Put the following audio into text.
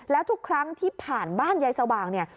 แล้วทุกครั้งที่ผ่านบ้านยายสว่างเนี่ย